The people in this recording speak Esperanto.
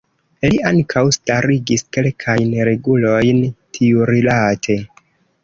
Li ankaŭ starigis kelkajn regulojn tiurilate.